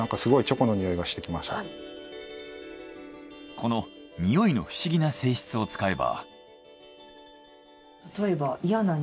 このにおいの不思議な性質を使えば。